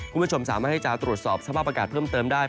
คุณผู้ชมสามารถที่จะตรวจสอบสภาพอากาศเพิ่มเติมได้